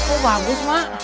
oh bagus mak